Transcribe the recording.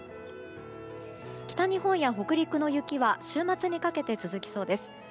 北日本や北陸の雪は週末にかけて続きそうです。